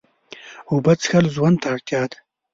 اوبه څښل ژوند ته اړتیا ده